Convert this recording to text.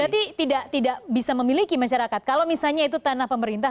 berarti tidak bisa memiliki masyarakat kalau misalnya itu tanah pemerintah